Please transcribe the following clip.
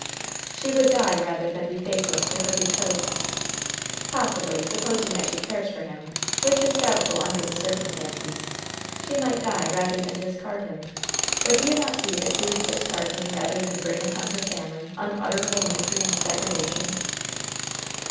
"She would die rather than be faithless to her betrothed." "Possibly, supposing that she cares for him which is doubtful under the circumstances she might die rather than discard him; but do you not see that she would discard him rather than bring upon her family unutterable misery and degradation?"